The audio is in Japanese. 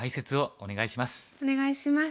お願いします。